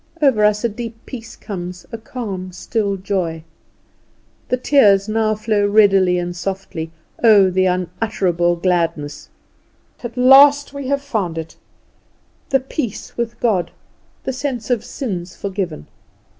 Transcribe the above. Over us a deep peace comes, a calm, still joy; the tears now flow readily and softly. Oh, the unutterable gladness! At last, at last we have found it! "The peace with God." "The sense of sins forgiven."